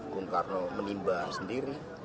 bung karno menimba sendiri